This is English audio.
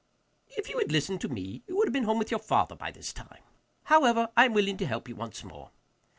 'If you had listened to me, you would have been home with your father by this time. However I am willing to help you once more.